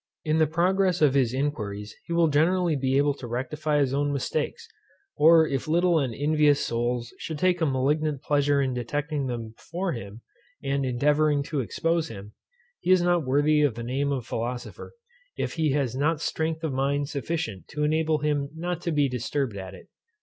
In the progress of his inquiries he will generally be able to rectify his own mistakes; or if little and envious souls should take a malignant pleasure in detecting them for him, and endeavouring to expose him, he is not worthy of the name of a philosopher, if he has not strength of mind sufficient to enable him not to be disturbed at it.